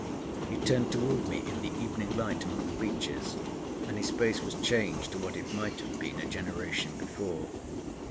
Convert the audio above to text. He turned towards me in the evening light among the beeches, and his face was changed to what it might have been a generation before.